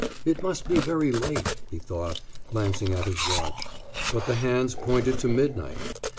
"It must be very late," he thought, glancing at his watch. But the hands pointed to midnight.